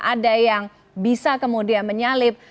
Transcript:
ada yang bisa kemudian menyalip